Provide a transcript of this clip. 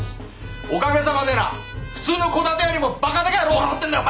おかげさまでな普通の戸建てよりもバカ高いローンを払ってんだよ